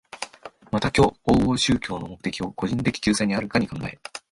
また今日往々宗教の目的を個人的救済にあるかに考え、